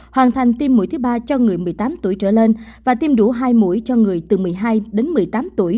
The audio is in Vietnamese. hoàn thành tiêm mũi thứ ba cho người một mươi tám tuổi trở lên và tiêm đủ hai mũi cho người từ một mươi hai đến một mươi tám tuổi